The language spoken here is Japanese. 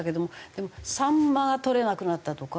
でもサンマがとれなくなったとか。